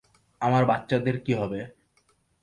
আমার বাচ্চাদের কি হবে?